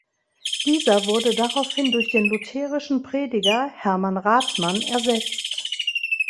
Dieser wurde daraufhin durch den lutherischen Prediger Hermann Rathmann ersetzt.